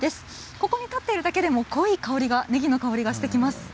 ここに立っているだけでも濃いねぎの香りがしてきます。